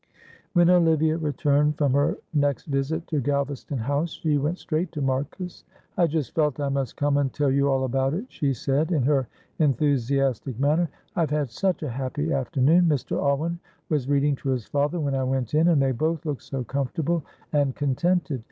When Olivia returned from her next visit to Galvaston House she went straight to Marcus. "I just felt I must come and tell you all about it," she said in her enthusiastic manner. "I have had such a happy afternoon. Mr. Alwyn was reading to his father when I went in, and they both looked so comfortable and contented.